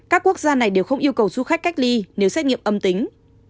các quốc gia này đều không yêu cầu du khách cách ly nếu xét nghiệm âm tính